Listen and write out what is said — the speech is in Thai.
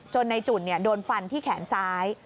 ในจุ่นโดนฟันที่แขนซ้าย